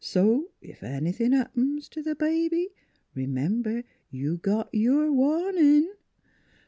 So if anythin' happens t' th' baby, r'member you got your warnin'